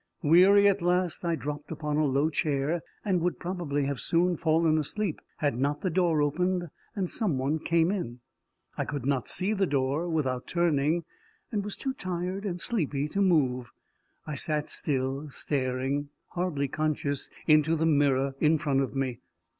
Weary at last, I dropped upon a low chair, and would probably have soon fallen asleep, had not the door opened, and some one come in. I could not see the door without turning, and was too tired and sleepy to move. I sat still, staring, hardly conscious, into the mirror in front of me.